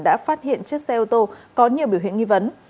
đã phát hiện chiếc xe ô tô có nhiều biểu hiện nghi vấn